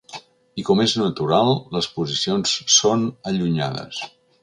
I, com és natural, les posicions són allunyades.